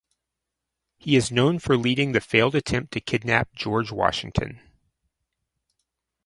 He is known for leading the failed attempt to kidnap George Washington.